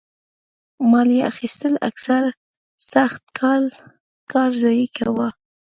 مالیه اخیستل اکثره سخت کال کار ضایع کاوه.